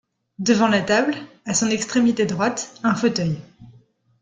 Devant la table, à son extrémité droite, un fauteuil.